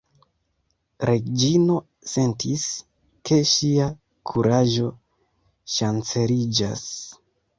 Reĝino sentis, ke ŝia kuraĝo ŝanceliĝas.